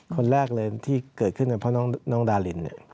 คนแรกเลยที่เกิดขึ้นกับพ่อน้องดาริน